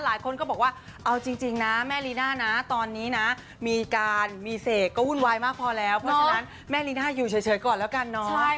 หลายคนก็บอกว่าเอาจริงนะแม่ลีน่านะตอนนี้นะมีการมีเสกก็วุ่นวายมากพอแล้วเพราะฉะนั้นแม่ลีน่าอยู่เฉยก่อนแล้วกันเนาะ